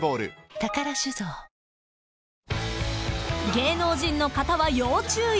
［芸能人の方は要注意。